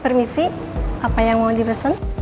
permisi apa yang mau dipesan